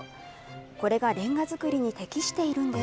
これがれんが作りに適しているんです。